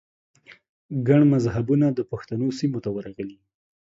ګڼ مذهبونه د پښتنو سیمې ته ورغلي